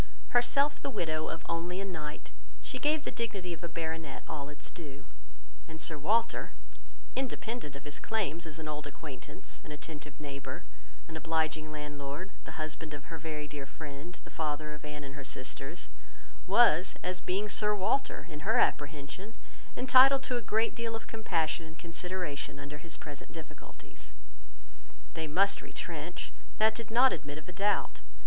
Herself the widow of only a knight, she gave the dignity of a baronet all its due; and Sir Walter, independent of his claims as an old acquaintance, an attentive neighbour, an obliging landlord, the husband of her very dear friend, the father of Anne and her sisters, was, as being Sir Walter, in her apprehension, entitled to a great deal of compassion and consideration under his present difficulties. They must retrench; that did not admit of a doubt.